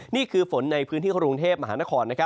นี่คือฝนในพื้นที่กรุงเทพมหานคร